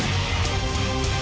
mas ini dia mas